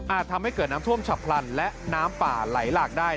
ทำให้เกิดน้ำท่วมฉับพลันและน้ำป่าไหลหลากได้